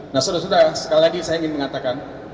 nah sudah sudah sekali lagi saya ingin mengatakan